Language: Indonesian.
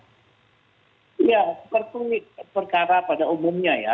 ya seperti perkara pada umumnya ya